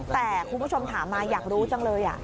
แต่คุณผู้ชมถามมาอยากรู้จังเลย